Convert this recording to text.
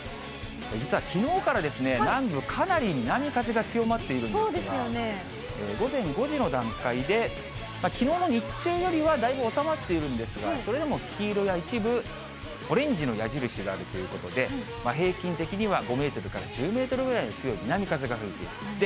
実はきのうから、南部、かなり南風が強まっているんですが、午前５時の段階で、きのうの日中よりはだいぶ収まっているんですが、それでも黄色や一部、オレンジの矢印があるということで、平均的には５メートルから１０メートルぐらいの強い南風が吹いている。